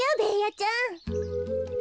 ちゃん。